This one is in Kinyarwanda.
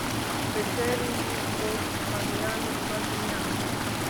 Beteli y i Brooklyn imaze imyaka